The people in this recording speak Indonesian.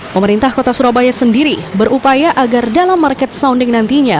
pemerintah kota surabaya sendiri berupaya agar dalam market sounding nantinya